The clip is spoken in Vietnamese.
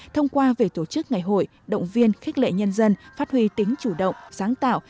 thông qua về tổ chức ngày hội động viên khích lệ nhân dân phát huy tính chủ động sáng tạo